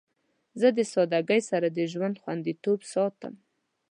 زه د سادگی سره د ژوند خوندیتوب ساتم.